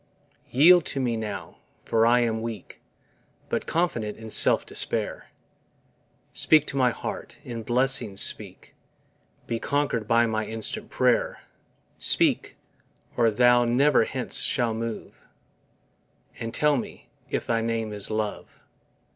Yield to me now for I am weak; But confident in self despair: Speak to my heart, in blessings speak, Be conquer'd by my instant prayer, Speak, or Thou never hence shalt move, And tell me, if thy name is LOVE.